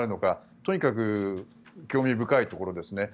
とにかく興味深いところですね。